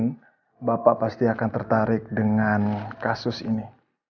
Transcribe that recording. dan saya yakin bapak pasti akan tertarik dengan kasus ini